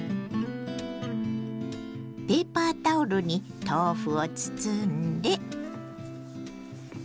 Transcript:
ペーパータオルに豆腐を包んで。